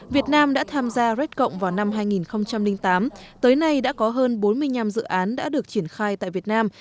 việt nam đã tham gia red cộng vào năm hai nghìn tám tới nay đã có hơn bốn mươi năm dự án đã được triển khai tại việt nam